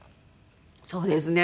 そうですね。